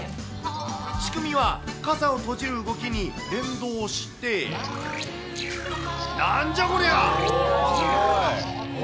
仕組みは、傘を閉じる動きに連動して、なんじゃこりゃ！